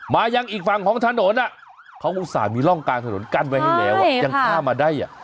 มาอย่างอีกฝั่งของถนนอะเขารึสาธิ์มีล่องกางถนนลงมือแรงยังผ้ามาได้